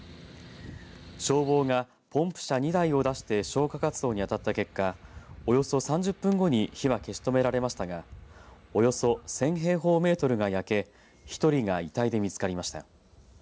消防がポンプ車２台を出して消火活動に当たった結果およそ３０分後に火は消し止められましたがおよそ１０００平方メートルが焼け１人が遺体で見つかりました。